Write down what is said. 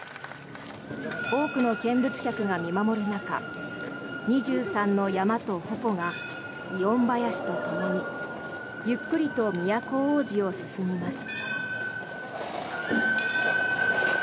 多くの見物客が見守る中２３の山とほこが祇園囃子とともにゆっくりと都大路を進みます。